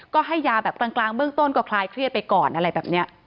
ก็ให้ยาแบบกลางเบื้องต้นก็คลายเครียดไปก่อนอะไรแบบนี้